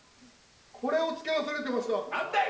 これをつけ忘れてました何だよ